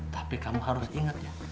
tapi kamu harus ingat ya